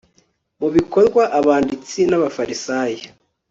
mu bikorwa, abanditsi n'abafarisayo